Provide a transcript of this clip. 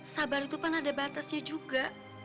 sabar itu kan ada batasnya juga